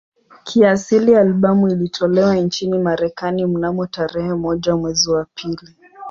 Kiasili albamu ilitolewa nchini Marekani mnamo tarehe moja mwezi wa pili